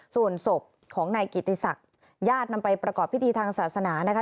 ส่วนศพของนายกิติศักดิ์ญาตินำไปประกอบพิธีทางศาสนานะคะ